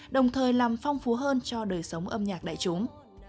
đồng thời làm phong phú hơn cho đời sống âm nhạc đại chúng